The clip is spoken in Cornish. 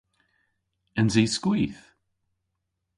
Ens i skwith?